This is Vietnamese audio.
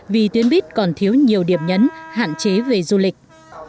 vì tuyến buýt còn thiếu nhiều điểm nhấn hạn chế về du lịch